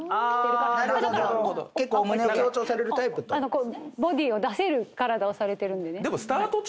だからオッボディーを出せる体をされてるんでね。